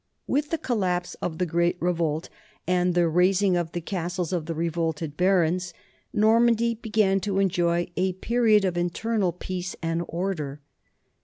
With the collapse of the great revolt and the razing of the castles of the revolting barons, Normandy began to enjoy a period of internal peace and order.